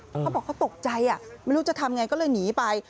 เขาบอกเขาตกใจไม่รู้จะทำไงก็เลยหนีไป